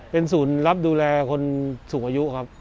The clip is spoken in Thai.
เป็นศูนย์รับดูแลคนสูงอายุครับ